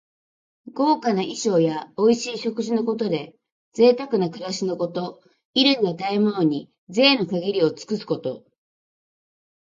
豪華な衣装やおいしい食事のことで、ぜいたくな暮らしのこと。衣類や食べ物に、ぜいの限りを尽くすこと。